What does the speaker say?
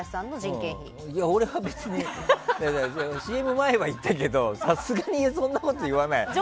俺はＣＭ前にも言ったけどさすがにそんなこと言わないよ。